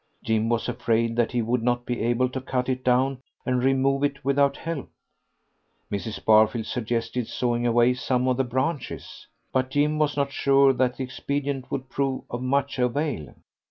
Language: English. Jim was afraid that he would not be able to cut it down and remove it without help. Mrs. Barfield suggested sawing away some of the branches, but Jim was not sure that the expedient would prove of much avail.